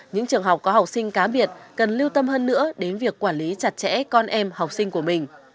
những trường học có học sinh cá biệt cần lưu tâm hơn nữa đến việc quản lý chặt chẽ con em học sinh của mình